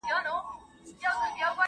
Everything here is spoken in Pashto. له لېوه سره په پټه خوله روان سو ..